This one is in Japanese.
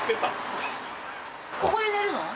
ここで寝るの？